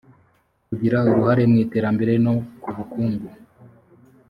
kugira uruhare mu iterambere no ku bukungu